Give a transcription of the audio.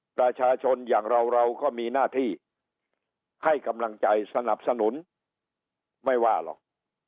ประชาชนอย่างเราเราก็มีหน้าที่ให้กำลังใจสนับสนุนไม่ว่าหรอก